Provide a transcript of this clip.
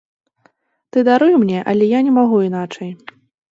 Ты даруй мне, але я не магу іначай.